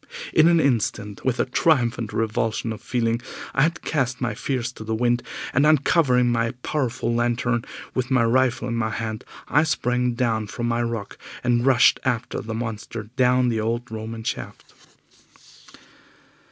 In an instant, with a triumphant revulsion of feeling, I had cast my fears to the wind, and uncovering my powerful lantern, with my rifle in my hand, I sprang down from my rock and rushed after the monster down the old Roman shaft.